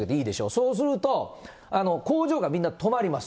そうすると、工場がみんな止まります。